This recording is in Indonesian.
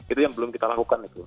itu yang belum kita lakukan itu